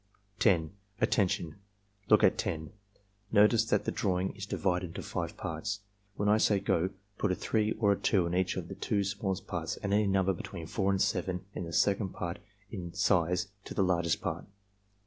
10. "Attention! Look at 10. Notice that the drawing is divided into five parts. When I say 'go' put a 3 or a 2 in each of the two smallest parts and any number between 4 and 7 in the part next in size to the largest part.